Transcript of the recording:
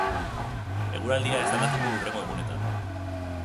Eguraldia ez da aldatuko hurrengo egunetan.